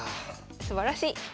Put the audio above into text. すばらしい。